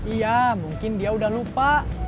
iya mungkin dia udah lupa